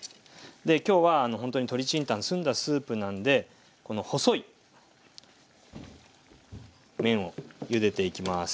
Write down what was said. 今日はほんとに鶏清湯澄んだスープなんでこの細い麺をゆでていきます。